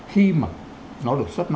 khi mà nó được xuất hiện